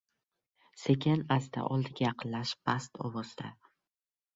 Sekin-asta oldiga yaqinlashib past ovozda: